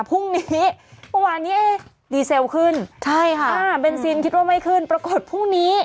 ครึ่งนี้เมื่อวานไดซลิ์ขึ้นค่ะบนซินคิดว่าไม่ขึ้นปรากฏพรุ่งนี้